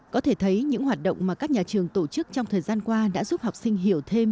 có thể thấy những hoạt động mà các nhà trường tổ chức trong thời gian qua đã giúp học sinh hiểu thêm